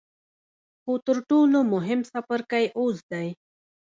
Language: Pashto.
خو تر ټولو مهم څپرکی اوس دی.